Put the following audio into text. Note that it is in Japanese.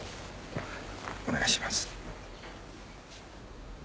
お願いします